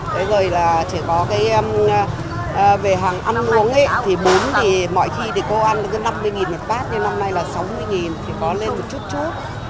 thế rồi là chỉ có cái về hàng ăn uống thì bún thì mọi khi thì cô ăn là năm mươi một bát nhưng năm nay là sáu mươi thì có lên một chút chút